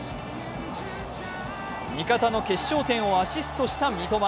味方の決勝点をアシストした三笘。